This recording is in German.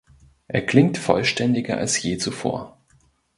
Er klingt vollständiger als je zuvor.